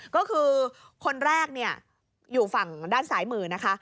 ก็คือคนแรกอยู่ฝั่งด้านซ้ายมือนะคะ